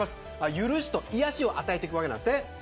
許しと癒やしを与えてくわけなんですね。